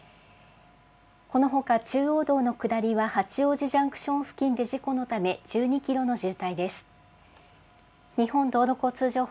このほか中央道の下りは、八王子ジャンクション付近で事故のため、１２キロの渋滞です。